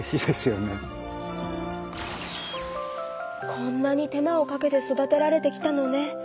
こんなに手間をかけて育てられてきたのね！